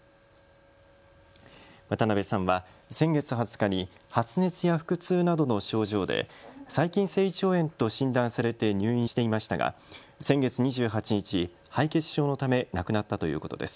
渡辺さんは先月２０日に発熱や腹痛などの症状で細菌性胃腸炎と診断されて入院していましたが先月２８日、敗血症のため亡くなったということです。